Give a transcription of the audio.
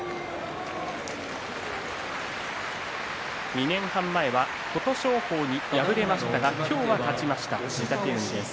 ２年半前は琴勝峰に敗れましたが今日は勝ちました、御嶽海です。